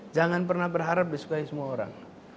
jangan pernah berharap disukai semua orang